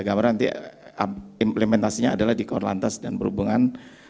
gambaran nanti implementasinya adalah di korlantas dan perhubungan